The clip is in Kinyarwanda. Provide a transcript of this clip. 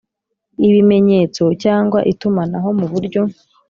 ibimenyetso cyangwa itumanaho mu buryo